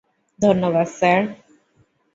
ধন্যবাদ, স্যার!